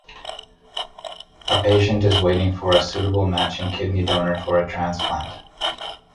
A patient is waiting for a suitable matching kidney donor for a transplant.